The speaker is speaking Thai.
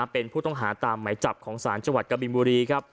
เป็นผู้ต้องหาตามไหมจับของศาลจังหวัดกบินบุรีครับ